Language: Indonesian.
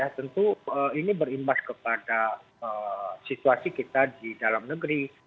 ya tentu ini berimbas kepada situasi kita di dalam negeri